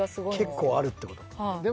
結構あるって事か。